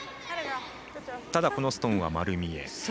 ただ、このストーンは丸見え。